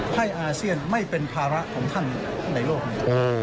ให้อาเซียนไม่เป็นภาระของท่านในโลกนี้